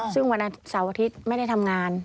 ซึ่งวันเสาร์อาทิตย์ไม่ได้ทำงาน